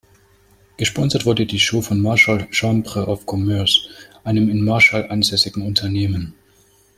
Gesponsert wurde die Show von "Marshall Chambre of Commerce", einem in Marshall ansässigen Unternehmen.